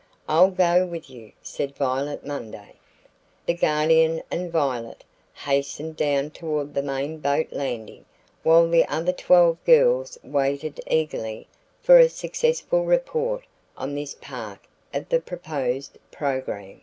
"I'll go with you," said Violet Munday. The Guardian and Violet hastened down toward the main boat landing while the other twelve girls waited eagerly for a successful report on this part of the proposed program.